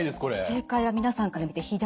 正解は皆さんから見て左。